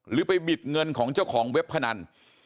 หรือไปบิดเงินของเจ้าของเว็บพนัน